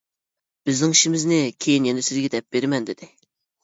بىزنىڭ ئىشىمىزنى كېيىن يەنە سىزگە دەپ بېرىمەن، -دېدى.